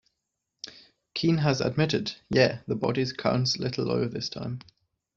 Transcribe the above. Keen has admitted, Yeah, the body count's a little lower this time.